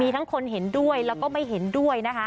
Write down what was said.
ทั้งคนเห็นด้วยแล้วก็ไม่เห็นด้วยนะคะ